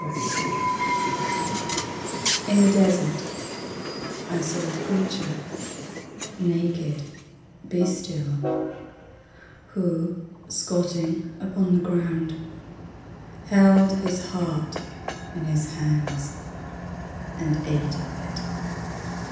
III In the desert I saw a creature, naked, bestial, who, squatting upon the ground, Held his heart in his hands, And ate of it.